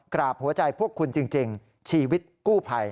กราบหัวใจพวกคุณจริงชีวิตกู้ภัย